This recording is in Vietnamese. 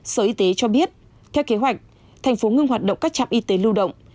sở y tế cho biết theo kế hoạch thành phố ngưng hoạt động các trạm y tế lưu động